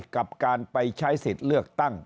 กับการไปใช้สิทธิ์เลือกตั้ง